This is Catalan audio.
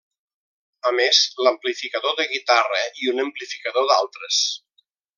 A més, l'amplificador de guitarra i un amplificador d'altres.